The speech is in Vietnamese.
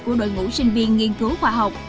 của đội ngũ sinh viên nghiên cứu khoa học